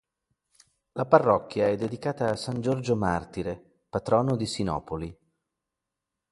La parrocchia è dedicata a san Giorgio martire, patrono di Sinopoli.